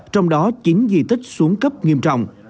trong đó chín di tích xuống cấp nghiêm trọng